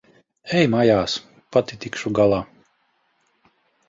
Ej mājās. Pati tikšu galā.